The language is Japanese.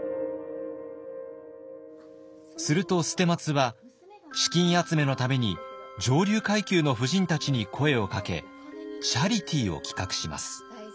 すると捨松は資金集めのために上流階級の夫人たちに声をかけチャリティを企画します。